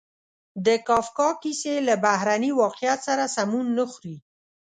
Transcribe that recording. د کافکا کیسې له بهرني واقعیت سره سمون نه خوري.